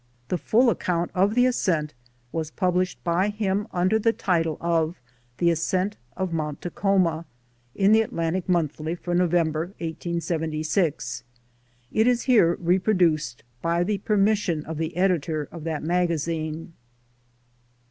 The full account of the ascent was published by him under the title of "The Ascent of Mount Takhoma" in the Atlantic Monthly for November, 1876. It is here reproduced by permission of the editor of that magazine.